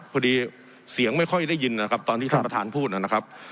พอดีเสียงไม่ค่อยได้ยินนะครับตอนที่ท่านประธานพูดนะครับ